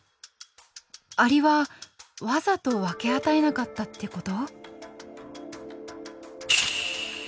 アリはわざと分け与えなかったって事？